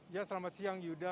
ya selamat siang yuda